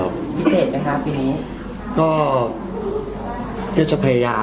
ยังไม่จำให้มา